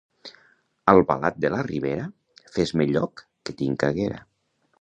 Albalat de la Ribera, fes-me lloc que tinc caguera.